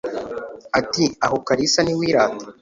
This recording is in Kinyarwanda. Ati Aho Kalisa ntiwirata